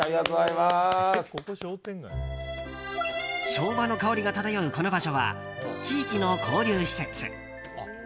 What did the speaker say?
昭和の香りが漂うこの場所は地域の交流施設。